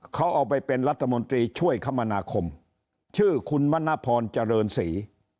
เขาเอาไปเป็นรัฐมนตรีช่วยคมนาคมชื่อคุณมณพรเจริญศรี